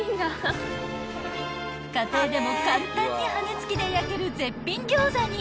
［家庭でも簡単に羽根つきで焼ける絶品餃子に］